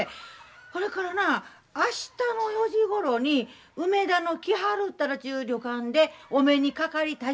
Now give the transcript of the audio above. それからな明日の４時ごろに梅田の喜春たらちゅう旅館でお目にかかりたい。